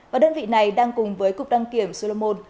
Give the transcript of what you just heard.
và đơn vị này đang cùng với cục đăng kiểm solomone